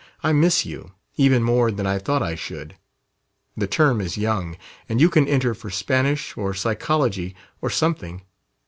I miss you even more than I thought I should. The term is young, and you can enter for Spanish, or Psychology, or something.